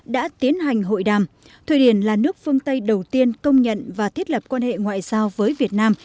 đã tiến hành hội đàm thụy điển là nước phương tây đầu tiên công nhận và thiết lập quan hệ ngoại giao với việt nam